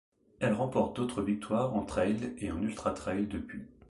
Elle remporte d'autres victoires en trail et en ultratrail depuis.